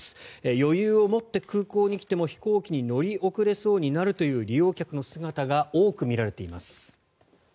余裕を持って空港に来ても飛行機に乗り遅れそうになるという利用客の姿が多く見られています。